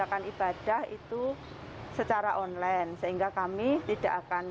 agar ibadah bisa berjalan baik